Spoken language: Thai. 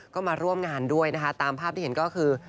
ก็มาร่วมงานด้วยนะคะตามภาพที่เห็นก็คือ